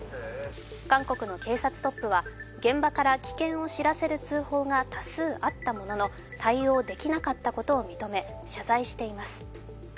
韓国の警察トップは現場から危険を知らせる通報が多数あったものの対応できなかったことを認め謝罪しています。